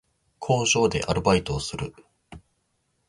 工場でアルバイトをする